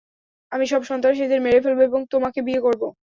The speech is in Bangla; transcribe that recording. আমি সব সন্ত্রাসীদের মেরে ফেলব এবং তোমাকে বিয়ে করব।